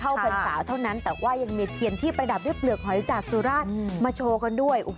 พรรษาเท่านั้นแต่ว่ายังมีเทียนที่ประดับด้วยเปลือกหอยจากสุราชมาโชว์กันด้วย